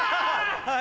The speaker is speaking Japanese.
はい。